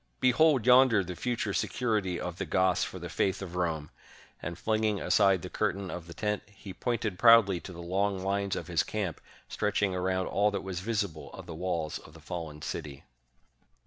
"Behold yonder the future security of the Goths for the faith of Rome! " and flinging aside the curtain of the tent, he pointed proudly to the long lines of his camp, stretching around all that was visible of the walls of the fallen city.